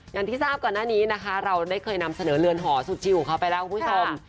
อย่างที่ทราบก่อนหน้านี้นะคะเราได้เคยนำเสนอเรือนหอสุดชิลของเขาไปแล้วคุณผู้ชม